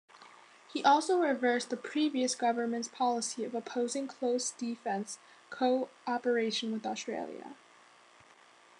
He also reversed the previous government's policy of opposing close defence co-operation with Australia.